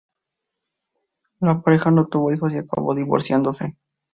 La pareja no tuvo hijos y acabó divorciándose.